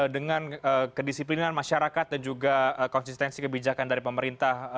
dengan kedisiplinan masyarakat dan juga konsistensi kebijakan dari pemerintah